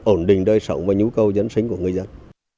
ổn định đời sống và nhu cầu dân sinh của người dân